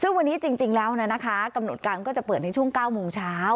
ซึ่งวันนี้จริงแล้วนะคะกำหนดการก็จะเปิดในช่วง๙โมงเช้า